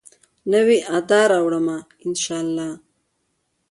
نوي ادا راوړمه، ان شاالله